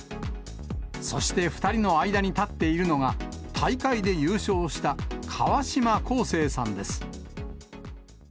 そして２人の間に立っているのが、大会で優勝した川島滉生さんです。